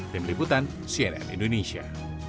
tim liputan cnn indonesia